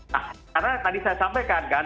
nah karena tadi saya sampaikan kan